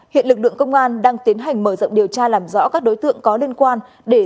hiện lực lượng công an đang tiến hành mở rộng điều tra làm rõ các đối tượng có liên quan